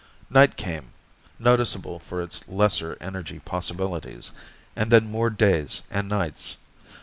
Night came, noticeable for its lesser energy possibilities, and then more days and nights.